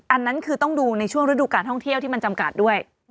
อันนั้นคือต้องดูในช่วงฤดูการท่องเที่ยวที่มันจำกัดด้วย